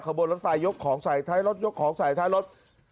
บนรถไฟยกของใส่ท้ายรถยกของใส่ท้ายรถ